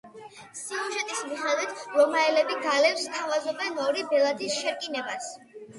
სიუჟეტის მიხედვით, რომაელები გალებს სთავაზობენ ორი ბელადის შერკინებას.